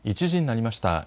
１時になりました。